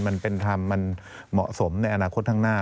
มันเป็นธรรมมันเหมาะสมในอนาคตข้างหน้า